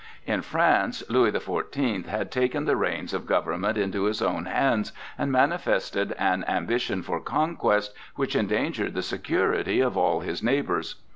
In France Louis the Fourteenth had taken the reins of government into his own hands, and manifested an ambition for conquest which endangered the security of all his neighbors.